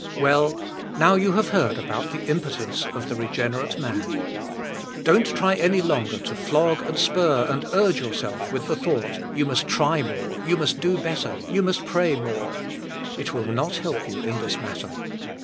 Well, now you have heard about the impotence of the regenerate man. Don't try any longer to flog and spur and urge yourself with the thought, you must WILING AND DOING. 191 try more, you must do better, you must pray more. It will not help you in this matter.